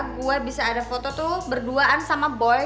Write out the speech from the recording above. gue bisa ada foto tuh berduaan sama boy